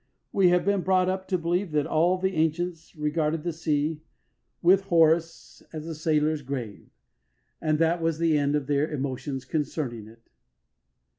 We have been brought up to believe that all the ancients regarded the sea, with Horace, as the sailor's grave and that that was the end of their emotions concerning it.